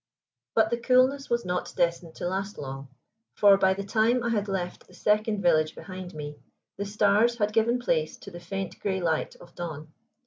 But the coolness was not destined to last long, for by the time I had left the second village behind me, the stars had given place to the faint grey light of dawn.